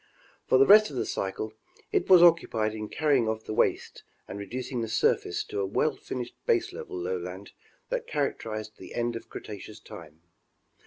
For the rest of the cycle, it was occupied in carrying off the waste and reducing the surface to a well finished baselevel lowland that characterized the end of Cretaceous time.